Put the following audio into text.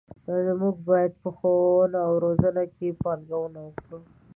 موږ باید په ښوونه او روزنه کې پانګونه وکړو.